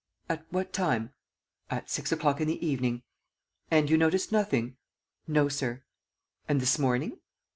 "At what time?" "At six o'clock in the evening." "And you noticed nothing?" "No, sir." "And, this morning